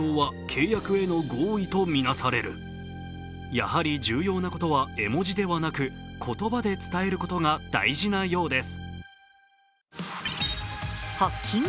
やはり、重要なことは絵文字ではなく言葉で伝えることが大事なようです。